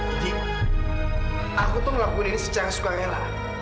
indi aku tuh ngelakuin ini secara suka rela